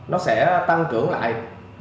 nó sẽ tăng trưởng lại